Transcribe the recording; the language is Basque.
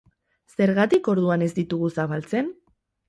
Zergatik orduan ez ditugu zabaltzen?